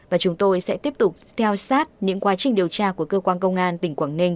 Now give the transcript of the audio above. và chúng tôi sẽ tiếp tục theo sát những quá trình điều tra của cơ quan công an tỉnh quảng ninh